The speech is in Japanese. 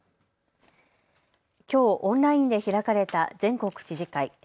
きょう、オンラインで開かれた全国知事会。